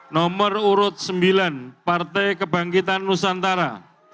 nomor urut sembilan partai kebangkitan nusantara